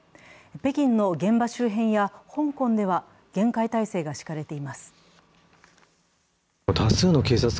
北京の現場周辺や香港では厳戒態勢が敷かれています。